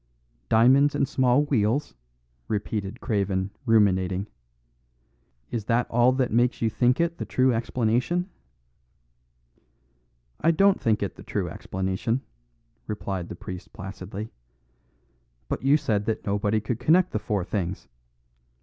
"Diamonds and small wheels," repeated Craven ruminating. "Is that all that makes you think it the true explanation?" "I don't think it the true explanation," replied the priest placidly; "but you said that nobody could connect the four things.